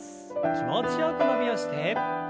気持ちよく伸びをして。